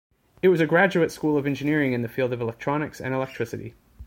It was a graduate school of engineering in the field of electronics and electricity.